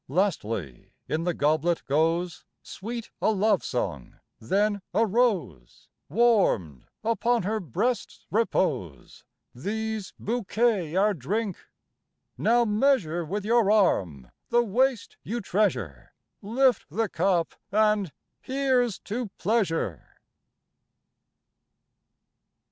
Lastly in the goblet goes Sweet a love song, then a rose Warmed upon her breast's repose. These bouquet our drink. Now measure With your arm the waist you treasure Lift the cup and, "Here's to Pleasure!"